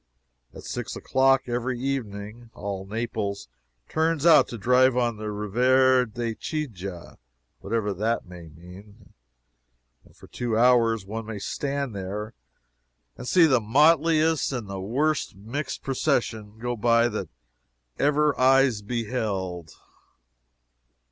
At six o'clock every evening, all Naples turns out to drive on the 'Riviere di Chiaja', (whatever that may mean;) and for two hours one may stand there and see the motliest and the worst mixed procession go by that ever eyes beheld.